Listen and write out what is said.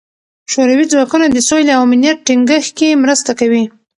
شوروي ځواکونه د سولې او امنیت ټینګښت کې مرسته کوي.